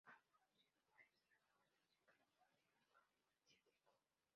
Ha producido varios trabajos musicales para el mercado asiático.